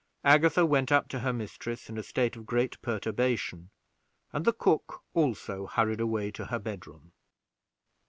Agatha went up to her mistress in a state of great perturbation, and the cook also hurried away to her bedroom.